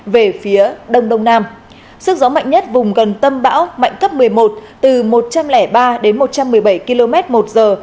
về phía đông đông nam sức gió mạnh nhất vùng gần tâm bão mạnh cấp một mươi một từ một trăm linh ba đến một trăm một mươi bảy km một giờ